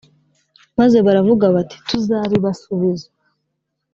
maze baravuga bati tuzabibasubiza